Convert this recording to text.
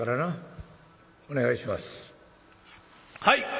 「はい！